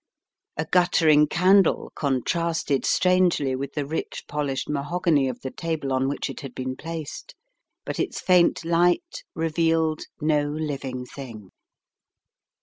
A guttering candle con trasted strangely with the rich polished mahogany of the table on which it had been placed, but its faint light revealed no living thing.